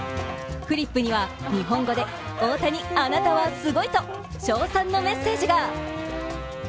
フリップには、日本語で「大谷あなたはすごい」と称賛のメッセージが。